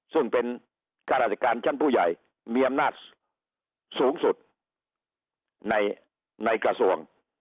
ซึ่งเป็นข้าราชการชั้นผู้ใหญ่มีอำนาจสูงสุดในกระทรวง